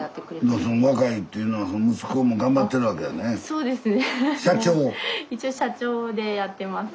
そうですね。